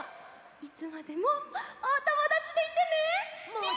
いつまでもおともだちでいてね！